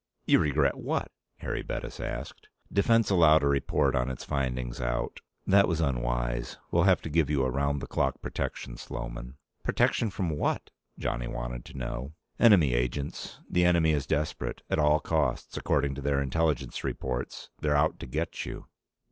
"You regret what?" Harry Bettis asked. "Defense allowed a report on its findings out. That was unwise. We'll have to give you around the clock protection, Sloman." "Protection from what?" Johnny wanted to know. "Enemy agents. The enemy is desperate. At all costs, according to their intelligence reports, they're out to get you."